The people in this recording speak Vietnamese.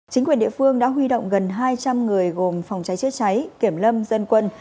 chính quyền địa phương đã huy động gần hai trăm linh người gồm phòng cháy chữa cháy kiểm lâm dân quân